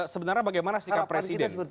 sebenarnya bagaimana sikap presiden